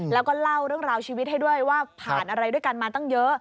แล้วก็เล่าเรื่องราวชีวิตให้ด้วยว่าผ่านอะไรด้วยกันมาตั้งเยอะ